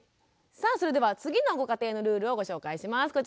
さあそれでは次のご家庭のルールをご紹介します。